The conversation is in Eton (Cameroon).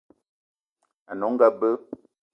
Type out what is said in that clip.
Ane onga be.